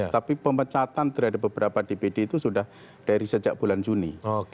tapi pemecatan terhadap beberapa dpd itu sudah dari sejak bulan juni